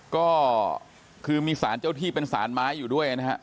ก็คือมีสารเจ้าที่เป็นสารไม้อยู่ด้วยนะฮะ